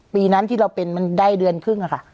ปีนั้นที่เราเป็นมันได้เดือนครึ่งอะค่ะ